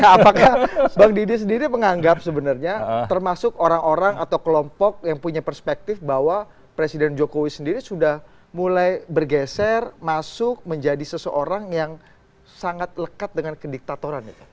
apakah bang didi sendiri menganggap sebenarnya termasuk orang orang atau kelompok yang punya perspektif bahwa presiden jokowi sendiri sudah mulai bergeser masuk menjadi seseorang yang sangat lekat dengan kediktatoran itu